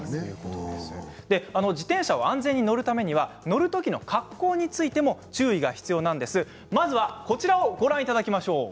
自転車を安全に乗るためには乗る時の格好についても注意が必要なんです。